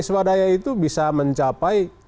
swadaya itu bisa mencapai